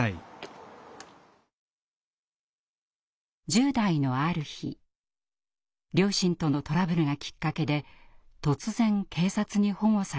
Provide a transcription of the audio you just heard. １０代のある日両親とのトラブルがきっかけで突然警察に保護されます。